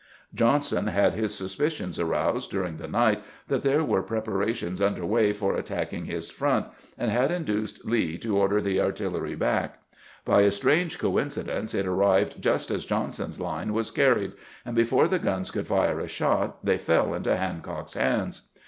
Johnson had his suspicions aroused during the night that there were preparations under way for attacking his front, and had induced Lee to order the HOW THE "angle" WAS CAPTUKED 107 artillery back. By a strange coincidence, it arrived just as Jolinson's line was carried, and before the guns could fire a shot they fell into Hancock's bands.